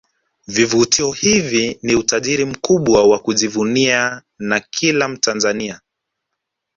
Vivutio hivi ni utajiri mkubwa wa kujivunia na kila Mtanzania